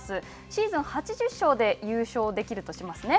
シーズン８０勝で優勝できるとしますね。